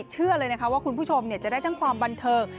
เชื่อเลยนะคะว่าคุณผู้ชมจะได้ทั้งความบันเทิง